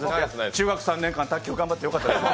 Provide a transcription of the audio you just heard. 中学３年間、卓球頑張ってよかったです。